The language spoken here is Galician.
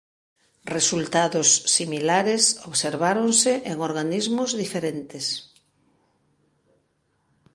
Resultados similares observáronse en organismos diferentes.